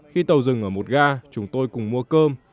khi tàu dừng ở một ga chúng tôi cùng mua cơm